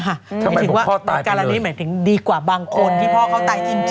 หมายถึงว่ากรณีนี้หมายถึงดีกว่าบางคนที่พ่อเขาตายจริง